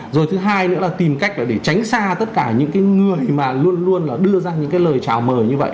rồi thứ hai nữa là tìm cách là để tránh xa tất cả những cái người mà luôn luôn là đưa ra những cái lời chào mời như vậy